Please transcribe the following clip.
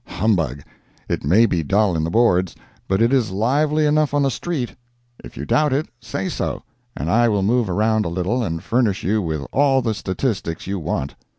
Humbug! It may be dull in the Boards, but it is lively enough on the street. If you doubt it, say so, and I will move around a little and furnish you with all the statistics you want.